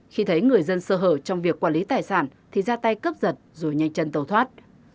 khi thấy người dân sơ hở trong việc quản lý tài sản thì ra tay cướp giật rồi nhanh chân tàu thoát